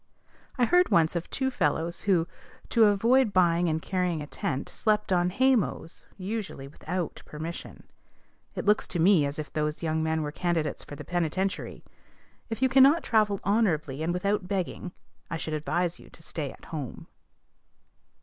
I heard once of two fellows, who, to avoid buying and carrying a tent, slept on hay mows, usually without permission. It looks to me as if those young men were candidates for the penitentiary. If you cannot travel honorably, and without begging, I should advise you to stay at home.